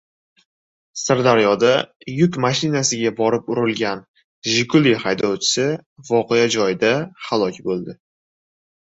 Sirdaryoda yuk mashinasiga borib urilgan «Jiguli» haydovchisi voqea joyida halok bo‘ldi